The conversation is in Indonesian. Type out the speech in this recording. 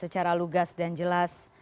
secara lugas dan jelas